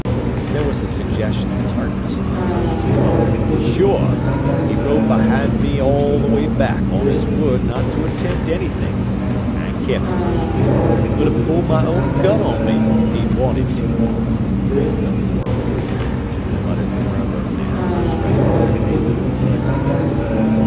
There was a suggestion of tartness in the cowman's prompt "Sure! He rode behind me all the way back, on his word not to attempt anything, and kept it. Could have pulled my own gun on me if he'd wanted to." "The more fool," muttered the railroad man as he spread the roll of paper on the table.